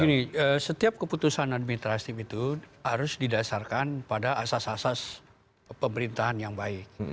jadi begini setiap keputusan administrasi itu harus didasarkan pada asas asas pemerintahan yang baik